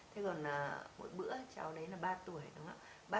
thế còn mỗi bữa cháu đấy là ba tuổi đúng không ạ